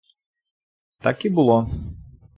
Так і було.